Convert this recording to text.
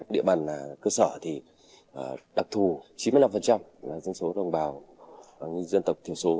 địa bàn cơ sở thì đặc thù chín mươi năm dân số đồng bào dân tộc thiểu số